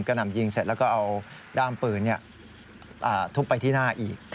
นำยิงเสร็จแล้วก็เอาด้ามปืนทุบไปที่หน้าอีก